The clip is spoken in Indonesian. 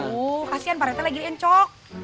kasian pak rete lagi encok